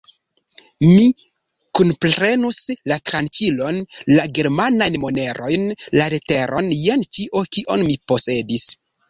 Mi kunprenus: la tranĉilon, la germanajn monerojn, la leteron, jen ĉio, kion mi posedis.